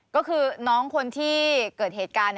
ก็คือน้องคนที่เกิดเหตุการณ์